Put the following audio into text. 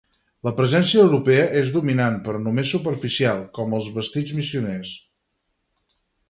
La presència europea és dominant però només superficial, com els vestits missioners.